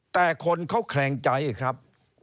แต่คนเขาแขลงใจครับ